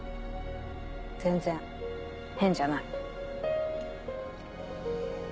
全然変じゃない。